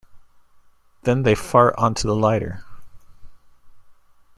Then they fart onto the lighter.